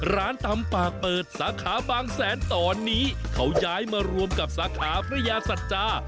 ร้านตำปากเปิดสาขาบางแสนตอนนี้เขาย้ายมารวมกับสาขาพระยาสัจจา